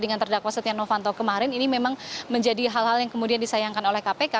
dengan terdakwa setia novanto kemarin ini memang menjadi hal hal yang kemudian disayangkan oleh kpk